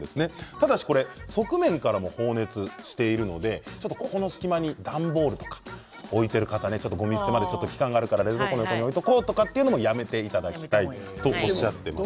ただし側面からも放熱しているのでこの隙間に段ボールとかを置いている方ごみ捨て場で期間があるから冷蔵庫の脇に置いておこうというのもやめてくださいと言っていました。